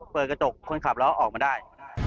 เปิดกระจกคนขับแล้วออกมาได้